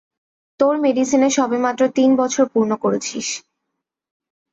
তোর মেডিসিনে সবেমাত্র তিন বছর পূর্ণ করেছিস।